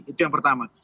itu yang pertama